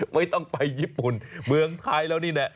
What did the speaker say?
กินขนมไปญี่ปุ่นจริงแบบนี้แหละ